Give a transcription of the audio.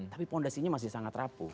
tapi fondasinya masih sangat rapuh